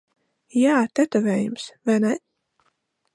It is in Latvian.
Jā, tetovējums. Vai ne?